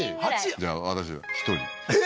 じゃあ私は１人えっ？